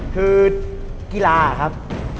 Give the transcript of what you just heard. คือกีฬาครับ